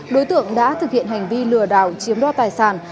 đối tượng đã thực hiện hành vi lừa đảo chiếm đo tài sản